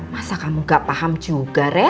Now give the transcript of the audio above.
masa kamu gak paham juga rek